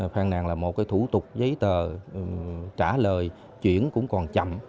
phàn nàn là một cái thủ tục giấy tờ trả lời chuyển cũng còn chậm